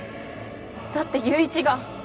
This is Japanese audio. だって友一が。